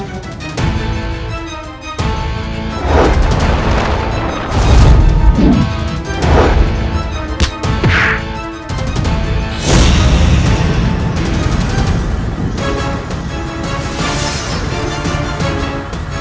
kian santang berhasil mengalahkanku